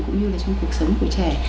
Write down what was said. cũng như là trong cuộc sống của trẻ